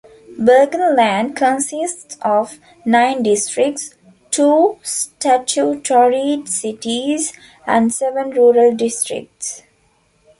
Burgenland consists of nine districts, two statutory cities and seven rural districts.